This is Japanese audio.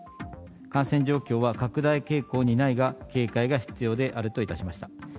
感染状況は拡大傾向にないが、警戒が必要であるといたしました。